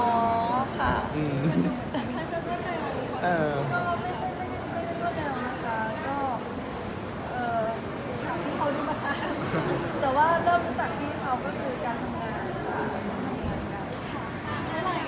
ก็ไม่ใช่การกนะก่อน